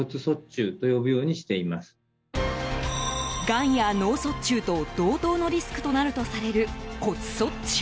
がんや脳卒中と同等のリスクとなるとされる骨卒中。